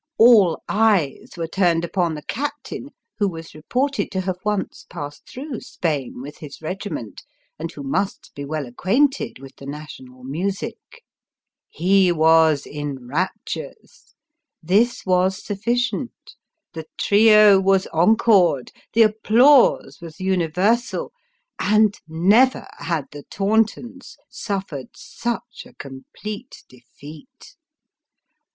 All eyes were turned upon the captain, who was reported to have once passed through Spain with his regiment, and who must be well acquainted with the national music. He was in The Captains Stoiy. 301 raptures. This was sufficient ; the trio was encored ; the applause was universal ; and never had the Tauntons suffered such a complete defeat.